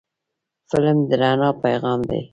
فلم د رڼا پیغام دی